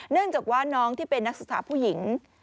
เนื่องจากว่าน้องที่เป็นนักศึกษาผู้หญิง